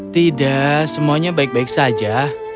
tidak semuanya baik baik saja